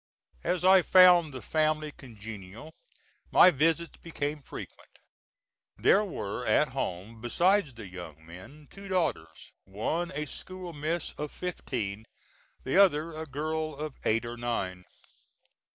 As I found the family congenial my visits became frequent. There were at home, besides the young men, two daughters, one a school miss of fifteen, the other a girl of eight or nine.